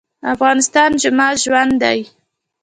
افغانستان زما ژوند دی؟